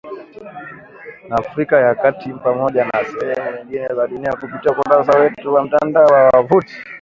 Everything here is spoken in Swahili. na Afrika ya kati Pamoja na sehemu nyingine za dunia kupitia ukurasa wetu wa mtandao wa wavuti